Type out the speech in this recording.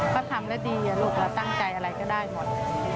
ก็ทำแล้วดีลูกเราตั้งใจอะไรก็ได้หมด